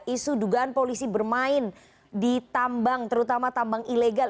isu dugaan polisi bermain di tambang terutama tambang ilegal